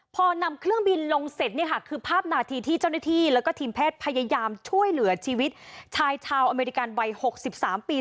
พอนำเครื่องบินลงเสร็จเนี่ยค่ะคือภาพนาทีที่เจ้าหน้าที่แล้วก็ทีมแพทย์พยายามช่วยเหลือชีวิตชายชาวอเมริกันวัย๖๓ปี